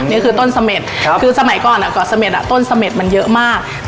เนี่ยคือต้นสะเม็ดครับคือสมัยก่อนอ่ะเกาะสะเม็ดอ่ะต้นสะเม็ดมันเยอะมาก